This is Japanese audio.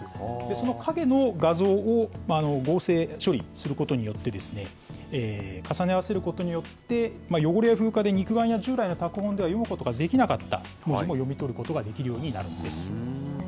その影の画像を合成処理することによって、重ね合わせることによって、汚れや風化で従来の拓本では読むことができなかった文字も読み取ることができるようになるんです。